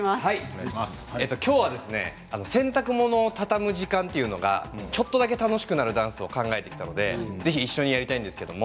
きょうは洗濯物を畳む時間というのがちょっとだけ楽しくなるダンスを考えてきたのでぜひ一緒にやりたいんですけど。